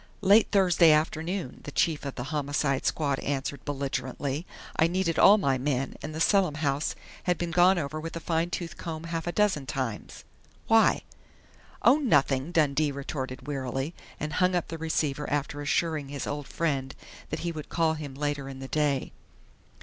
"Late Thursday afternoon," the Chief of the Homicide Squad answered belligerently. "I needed all my men, and the Selim house had been gone over with a fine tooth comb half a dozen times.... Why?" "Oh, nothing!" Dundee retorted wearily, and hung up the receiver after assuring his old friend that he would call on him later in the day.